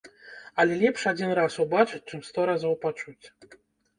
Але лепш адзін раз убачыць, чым сто разоў пачуць.